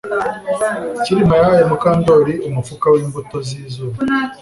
Kirima yahaye Mukandoli umufuka wimbuto zizuba